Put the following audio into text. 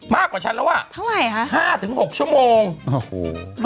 กว่าฉันแล้วอ่ะเท่าไหร่ฮะห้าถึงหกชั่วโมงโอ้โห